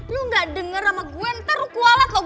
lo gak denger sama gue ntar lo kualet loh